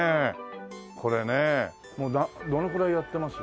もうどのくらいやってます？